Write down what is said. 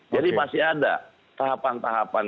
jadi masih ada tahapan tahapan